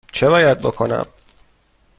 چه باید بکنم؟